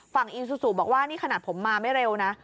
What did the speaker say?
อีซูซูบอกว่านี่ขนาดผมมาไม่เร็วนะ